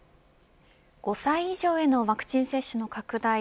５歳以上へのワクチン接種の拡大